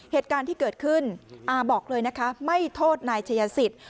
เหตุการณ์ที่เกิดขึ้นอาบอกเลยนะคะไม่โทษนายชายสิทธิ์